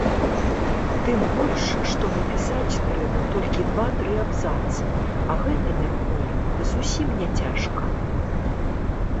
Тым больш, што напісаць трэба толькі два-тры абзацы, а гэта, мяркуем, зусім не цяжка.